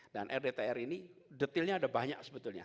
dan rdtr ini detailnya ada banyak sebetulnya